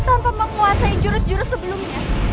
tanpa menguasai jurus jurus sebelumnya